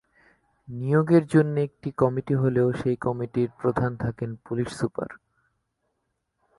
নিয়োগের জন্য একটি কমিটি হলেও সেই কমিটির প্রধান থাকেন পুলিশ সুপার।